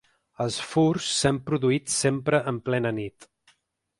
Els furs s’han produït sempre en plena nit.